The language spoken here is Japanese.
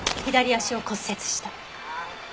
左足を骨折した。